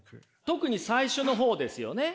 特に最初の方ですよね。